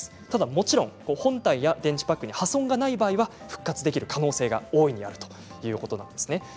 ただもちろん本体や電池パックに破損がない場合は復活できる可能性が大いにあるということなんです。